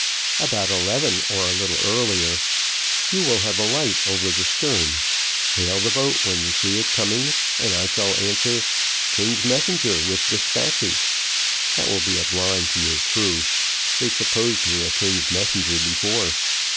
"About eleven or a little earlier. You will have a light over the stern; hail the boat when you see it coming, and I shall answer, 'King's messenger, with despatches;' that will be a blind to your crew they supposed me a king's messenger before."